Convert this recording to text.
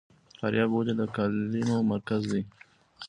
فاریاب ولې د قالینو مرکز دی؟